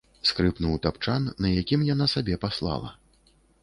Скрыпнуў тапчан, на якім яна сабе паслала.